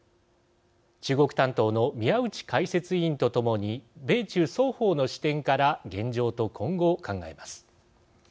中国担当の宮内解説委員と共に米中双方の視点から現状と今後を考えます。